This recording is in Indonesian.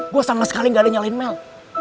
gue sama sekali nggak ada nyalain mel